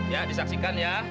ya disaksikan ya